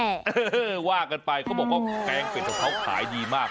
เออว่ากันไปเขาบอกว่าแกงเป็ดของเขาขายดีมาก